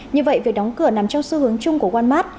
như vậy việc đóng cửa nằm trong xu hướng chung của wanmat